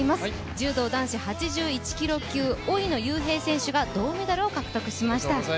柔道男子８１キロ級、老野祐平選手が銅メダルを獲得しました。